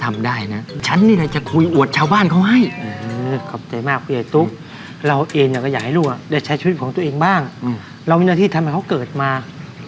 หมดมืออีกแล้วหรอครับหลงพ่อบอกรอบนี้จังใจพระเผาเศพรก่ะจังใจฟังจะเอาแต่คุยกัน